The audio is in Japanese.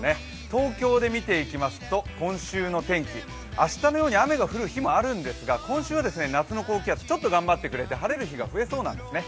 東京で見ていきますと今週の天気、明日のように雨が降る日もあるんですが、今週は夏の高気圧、ちょっと頑張ってくれて晴れる日が増えそうなんですね。